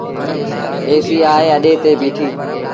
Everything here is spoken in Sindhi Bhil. ايسيٚ آئي اَڏي تي بيٚٺيٚ۔